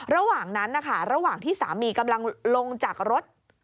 ระหว่างนั้นนะคะระหว่างที่สามีกำลังลงจากรถ